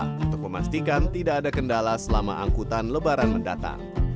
untuk memastikan tidak ada kendala selama angkutan lebaran mendatang